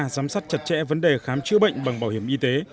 giám sát chặt chẽ vấn đề khám chữa bệnh bằng bảo hiểm y tế